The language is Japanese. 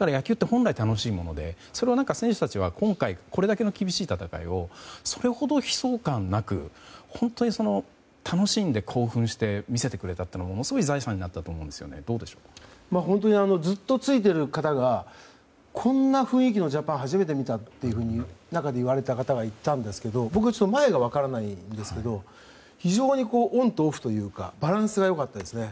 野球って、本来楽しいものでそれを選手たちは今回、これだけの厳しい戦いをそれほど悲壮感なく本当に楽しんで興奮して見せてくれたというのがものすごい財産になったと思いますがずっとついている方がこんな雰囲気のジャパンは初めて見たと言われた方がいたんですが僕は、前が分からないんですが非常に、オンとオフというかバランスが良かったですね。